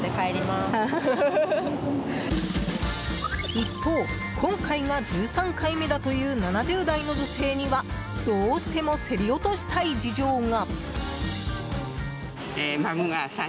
一方、今回が１３回目だという７０代の女性にはどうしても競り落としたい事情が。